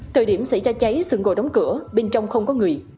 thời điểm xảy ra cháy sưởng gỗ đóng cửa bên trong không có người